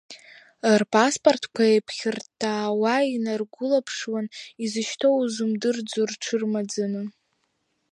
Рпаспортқәа еиԥхьырттаауа инаргәылаԥшуан, изышьҭоу узымдырӡо рҽырмаӡаны.